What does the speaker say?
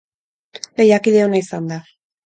Lehiakide ona izan da.